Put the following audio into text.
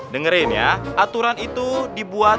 dengerin ya aturan itu dibuat